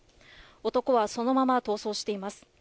男はそのまま逃走しています。